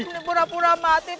jika mereka menangis